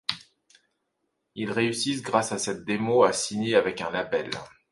Ils réussissent grâce à cette démo à signer avec un label.